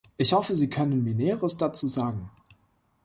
Ich hoffe, Sie können mir Näheres dazu sagen.